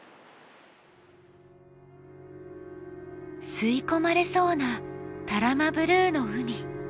吸い込まれそうな多良間ブルーの海。